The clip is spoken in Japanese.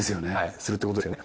そういうことですよね